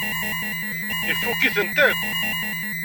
Ifukk-itent akk.